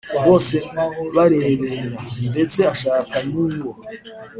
bose barebera, ndetse ashaka n'uwo